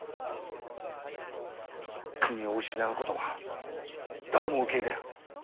国を失うことは誰も受け入れん。